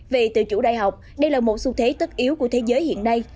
về tự chủ đại học đây là một xu thế tất yếu của thế giới hiện nay